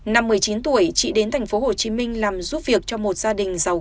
năm một mươi chín tuổi chị đến tp hcm làm giúp việc cho một gia đình giàu